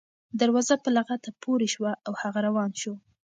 دروازه په لغته پورې شوه او هغه روان شو.